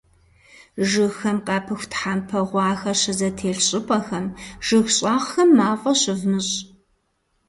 Жыгхэм къапыху тхьэмпэ гъуахэр щызэтелъ щӀыпӀэхэм, жыг щӀагъхэм мафӀэ щывмыщӀ.